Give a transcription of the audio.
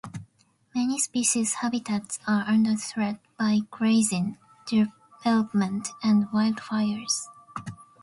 Many species' habitats are under threat by grazing, development, and wildfires.